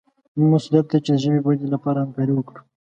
زموږ مسوولیت دی چې د ژبې ودې لپاره همکاري وکړو.